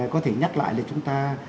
có thể nhắc lại là chúng ta